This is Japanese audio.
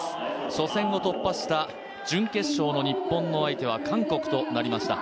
初戦を突破した準決勝の日本の相手は韓国となりました。